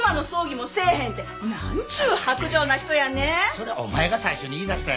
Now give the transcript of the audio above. そりゃお前が最初に言いだしたんやないかい。